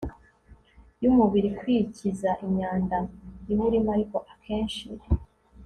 yumubiri kwikiza imyanda iwurimo Ariko akenshi